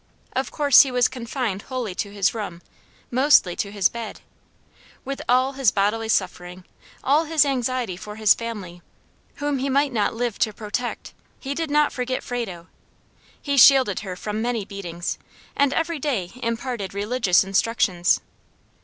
Of course he was confined wholly to his room, mostly to his bed. With all his bodily suffering, all his anxiety for his family, whom he might not live to protect, he did not forget Frado. He shielded her from many beatings, and every day imparted religious instructions.